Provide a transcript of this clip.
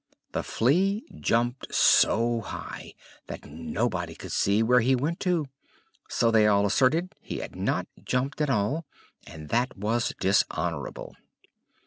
The Flea jumped so high that nobody could see where he went to; so they all asserted he had not jumped at all; and that was dishonorable.